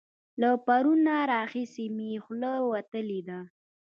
له پرونه راهسې مې خوله وتلې ده.